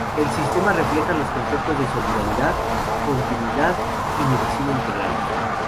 El sistema refleja los conceptos de "Solidaridad", "Continuidad" y "Medicina Integral".